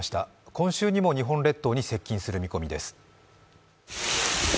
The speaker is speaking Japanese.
今週にも日本列島に接近する見込みです。